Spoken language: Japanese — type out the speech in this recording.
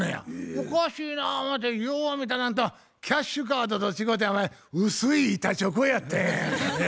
おかしいな思てよう見たらあんたキャッシュカードと違てお前薄い板チョコやったんや。